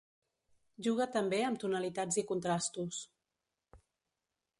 Juga també amb tonalitats i contrastos.